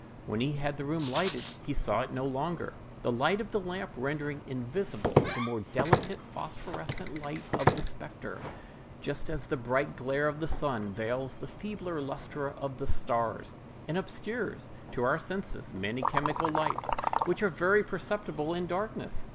When he had the room lighted, he saw it no longer, the light of the lamp rendering invisible the more delicate phosphorescent light of the spectre: just as the bright glare of the sun veils the feebler lustre of the stars, and obscures to our senses many chemical lights which are very perceptible in darkness.